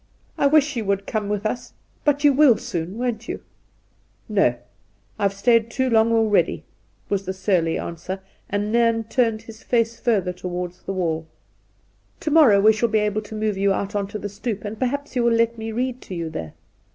I wish you could come with us — but you will soon, won't you ?'' No ; I've stayed too long already,' was the surly answ^er, and Nairn turned his face further towards the wall. ' To morrow we shall be able to move you out on to the stoep, and perhaps you will let me read to you there